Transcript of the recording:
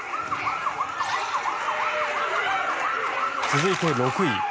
続いて６位。